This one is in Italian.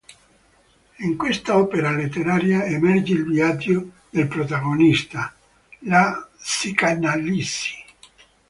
In questa opera letteraria emerge il viaggio del protagonista: la psicanalisi.